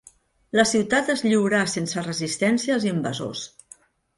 La ciutat es lliurà sense resistència als invasors.